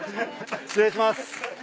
失礼します。